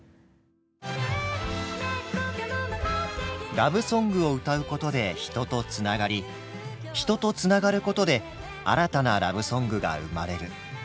ラブソングを歌うことで人とつながり人とつながることで新たなラブソングが生まれる。